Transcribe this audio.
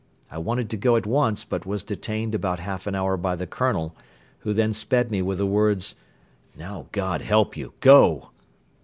I wanted to go at once but was detained about half an hour by the Colonel, who then sped me with the words: "Now God help you! Go!"